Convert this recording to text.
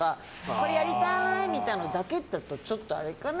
これやりたいみたいなのだけだとちょっとあれかな。